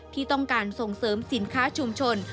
ที่ต้องการส่งเสริมสินค้าชุมชน